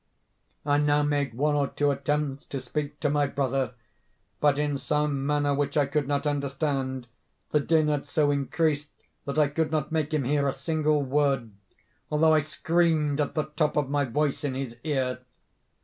"I now made one or two attempts to speak to my brother—but, in some manner which I could not understand, the din had so increased that I could not make him hear a single word, although I screamed at the top of my voice in his ear.